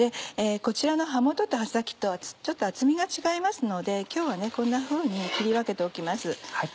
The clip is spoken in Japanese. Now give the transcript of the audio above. こちらの葉元と葉先とはちょっと厚みが違いますので今日はこんなふうに切り分けておきます。